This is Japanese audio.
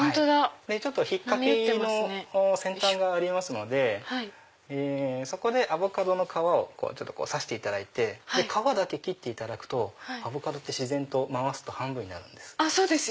引っかきの先端がありますのでそこでアボカドの皮を刺して皮だけ切っていただくとアボカドって自然と回すと半分になるんです。